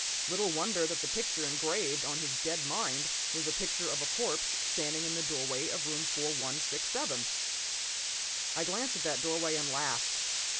Little wonder that the picture engraved on his dead mind was a picture of a corpse standing in the doorway of room 4167! I glanced at that doorway and laughed.